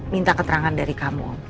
minta keterangan dari kamu